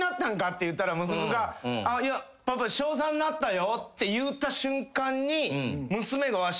って言ったら息子が「いやパパ小３になったよ」って言うた瞬間に。